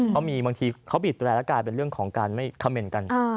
เพราะมีบางทีเขาบีดแรนแล้วกลายเป็นเรื่องของการไม่คำเมนต์กัน